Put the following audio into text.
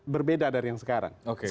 berbeda dari yang sekarang